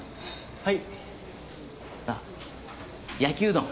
はい。